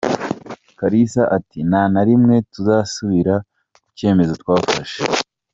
Kalisa ati “Nta na rimwe tuzasubira ku cyemezo twafashe.